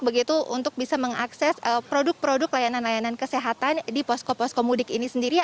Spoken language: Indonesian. begitu untuk bisa mengakses produk produk layanan layanan kesehatan di posko poskomudik ini sendiri